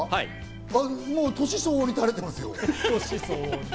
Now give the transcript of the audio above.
年相応にたれてますよ。